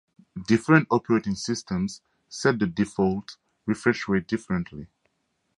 Different operating systems set the default refresh rate differently.